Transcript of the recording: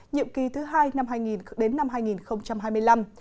nhiệm kỳ thứ hai năm hai nghìn đến năm hai nghìn hai mươi năm